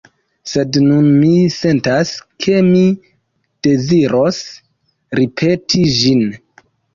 Sed nun mi sentas, ke mi deziros ripeti ĝin.